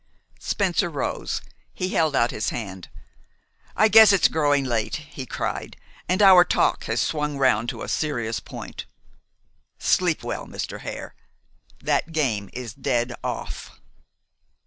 Spencer rose. He held out his hand. "I guess it's growing late," he cried, "and our talk has swung round to a serious point. Sleep well, Mr. Hare. That game is dead off."